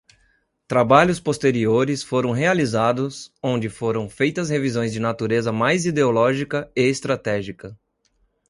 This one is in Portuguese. Trabalhos posteriores foram realizados onde foram feitas revisões de natureza mais ideológica e estratégica.